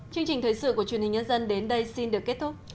chương trình thời sự của truyền hình nhân dân đến đây xin được kết thúc